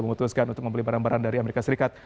memutuskan untuk membeli barang barang dari amerika serikat